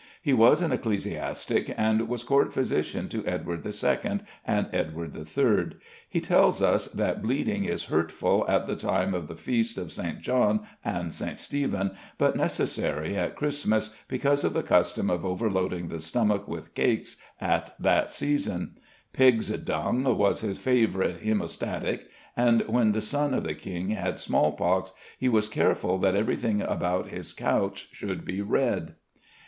He was an ecclesiastic, and was court physician to Edward II. and Edward III. He tells us that bleeding is hurtful at the time of the feasts of St. John and St. Stephen, but necessary at Christmas because of the custom of overloading the stomach with cakes at that season. Pigs' dung was his favourite hæmostatic; and when the son of the King had small pox, he was careful that everything about his couch should be red.